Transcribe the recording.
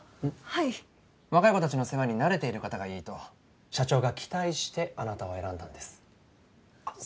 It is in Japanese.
はい若い子たちの世話に慣れている方がいいと社長が期待してあなたを選んだんですあっ